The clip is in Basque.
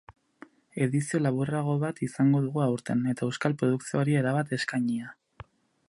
Edizio laburrago bat izango dugu aurten, eta euskal produkzioari erabat eskainia.